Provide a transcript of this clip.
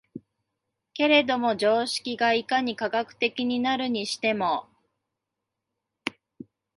けれども常識がいかに科学的になるにしても、